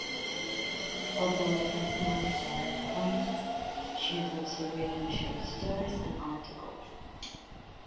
Although best known for her poems, she has also written short stories and articles.